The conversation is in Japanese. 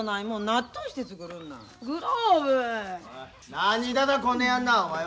何だだこねやんなお前は！